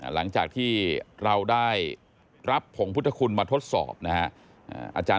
หลังจากที่เราได้รับผงพุทธคุณมาทดสอบนะฮะ